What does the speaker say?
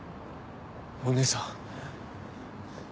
お姉さん。